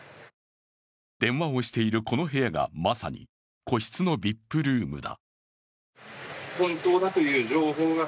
電話をしているこの部屋がまさに個室のＶＩＰルームだ。